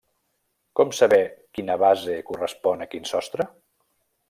Com saber quina base correspon a quin sostre?